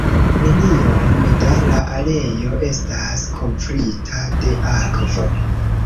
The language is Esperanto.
Neniom da la areo estas kovrita de akvo.